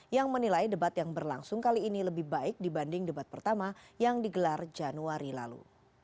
yang menilai debat yang berlangsung kali ini lebih baik dibanding debat pertama yang digelar januari lalu